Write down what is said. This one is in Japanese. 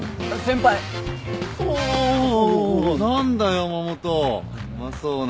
山本うまそうな